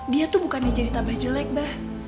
dia tuh bukan jadi tambah jelek bah